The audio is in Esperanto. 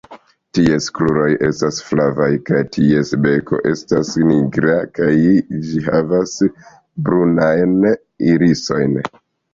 Ties kruroj estas flavaj, kaj ties beko estas nigra, kaj ĝi havas brunajn irisojn.